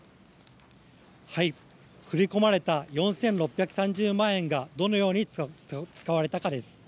振り込まれた４６３０万円が、どのように使われたかです。